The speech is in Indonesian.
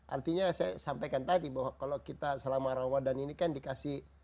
artinya saya sampaikan tadi bahwa kalau kita selama ramadan ini kan dikasih